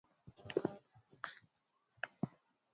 mahika amesema ana matumaini kwamba muda tangu alipochangu